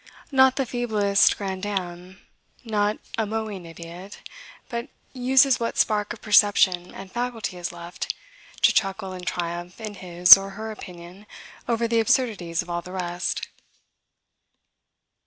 Not the feeblest grandame, not a mowing idiot, but uses what spark of perception and faculty is left, to chuckle and triumph in his or her opinion over the absurdities of all the rest.